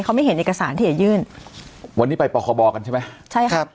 เขาไม่เห็นเอกสารที่จะยื่นวันนี้ไปปคบกันใช่ไหมใช่ครับ